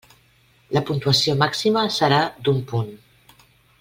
La puntuació màxima serà d'un punt.